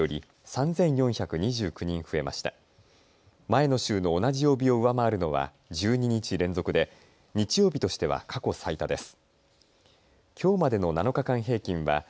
前の週の同じ曜日を上回るのは１２日連続で日曜日としては過去最多です。